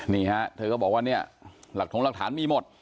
นี่ฮะเธอก็บอกว่าเนี่ยหลักถงหลักฐานมีหมด